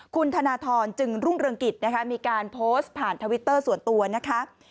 คุณธนทรจึงรุ่งเรืองกิจนะคะมีการโพสต์ผ่านทวิตเตอร์ส่วนตัวนะคะ